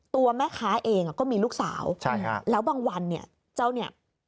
ตัวแม่ค้าเองก็มีลูกสาวใช่ฮะแล้วบางวันเนี่ยเจ้าเนี่ย